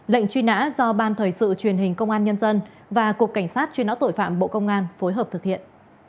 lệnh truy nã do ban thời sự truyền hình công an nhân dân và cục cảnh sát truy nã tội phạm bộ công an phối hợp thực hiện